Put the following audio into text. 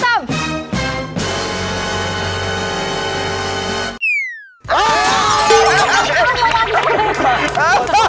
รักดีไป